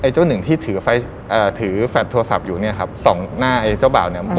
เจ้าหนึ่งที่ถือแฟทโทรศัพท์อยู่ส่องหน้าเจ้าบ่าว